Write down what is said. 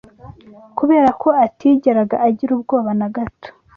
Kubera ko atigeraga agira ubwoba na gato,